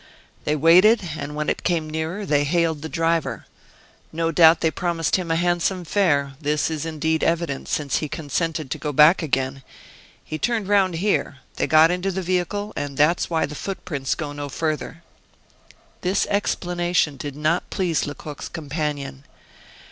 They waited, and when it came nearer they hailed the driver. No doubt they promised him a handsome fare; this is indeed evident, since he consented to go back again. He turned round here; they got into the vehicle, and that is why the footprints go no further." This explanation did not please Lecoq's companion.